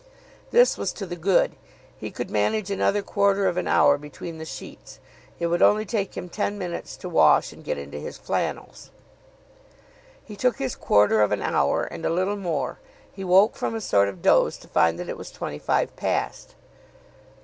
This was to the good. He could manage another quarter of an hour between the sheets. It would only take him ten minutes to wash and get into his flannels. He took his quarter of an hour, and a little more. He woke from a sort of doze to find that it was twenty five past.